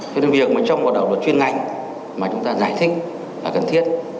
vì việc trong một đạo luật chuyên ngành mà chúng ta giải thích là cần thiết